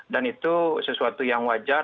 dan itu sesuatu yang wajar